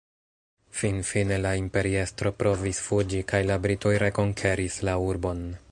Finfine la imperiestro provis fuĝi kaj la britoj rekonkeris la urbon.